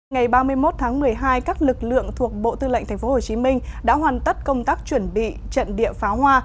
ngày ba mươi một tháng một mươi hai các lực lượng thuộc bộ tư lệnh tp hcm đã hoàn tất công tác chuẩn bị trận địa pháo hoa